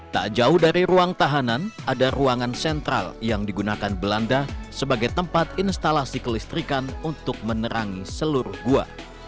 tak jauh dari ruang tahanan ada ruangan sentral yang digunakan belanda sebagai tempat instalasi kelistrikan untuk menerangi seluruh gua